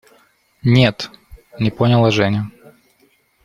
– Нет, – не поняла Женя.